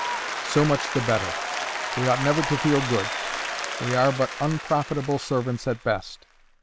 "So much the better. We ought never to feel good. We are but unprofitable servants at best.